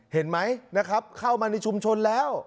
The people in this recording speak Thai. เห็นไหมนะครับเข้ามาในชุมชนแล้ว